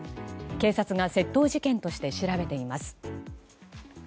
警察が窃盗事件として調べています。